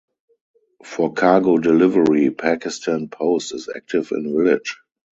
For cargo delivery Pakistan Post is active in village.